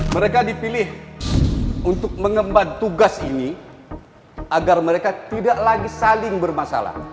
mereka dipilih untuk mengemban tugas ini agar mereka tidak lagi saling bermasalah